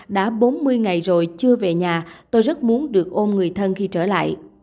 đã bốn mươi ngày rồi chưa về nhà tôi rất muốn được ôm người thân khi trở lại